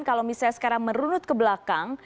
kalau misalnya sekarang merunut ke belakang